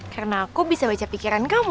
karena aku bisa baca pikiran kamu